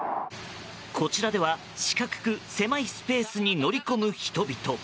こちらでは、四角く狭いスペースに乗り込む人々。